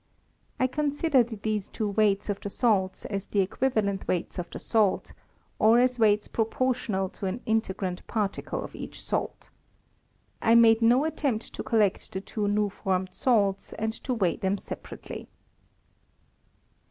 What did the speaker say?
I considered these two weights of the salts as the equi valent weights of the salt, or as weights proportional to an integrant particle of each salt. I made no attempt to collect the two new formed salts and to weigh them separately.